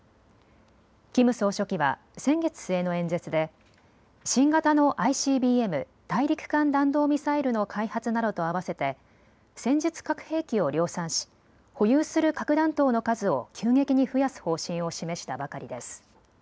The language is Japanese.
キム総書記は先月末の演説で新型のＩＣＢＭ・大陸間弾道ミサイルの開発などと合わせて戦術核兵器を量産し保有する核弾頭の数を急激に増やす方針を示したばかりです。